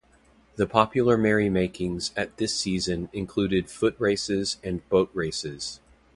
The popular merrymakings at this season included footraces and boat-races.